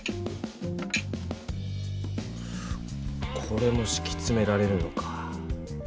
これもしきつめられるのか。